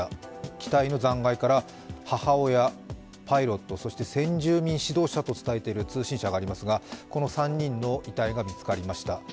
機体の残骸から、母親、パイロット、そして先住民指導者と伝えている通信社がいますがこの３人の遺体が見つかりました。